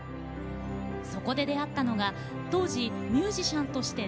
そこで出会ったのが当時、ミュージシャンとして